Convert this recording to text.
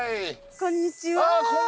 こんにちは。